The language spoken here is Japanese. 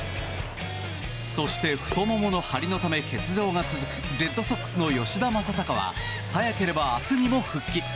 そして、太ももの張りのため欠場が続くレッドソックスの吉田正尚は早ければ明日にも復帰。